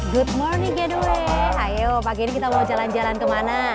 good morning getaway ayo pagi ini kita mau jalan jalan kemana